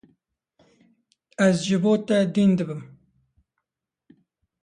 Ez ji bo te dîn dibim.